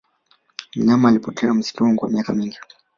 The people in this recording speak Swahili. mnyama alipotea msituni kwa miaka mingi